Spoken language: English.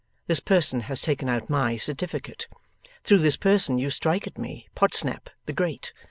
This person has taken out MY certificate. Through this person you strike at me, Podsnap the Great.